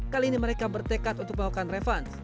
kali ini mereka bertekad untuk melakukan refans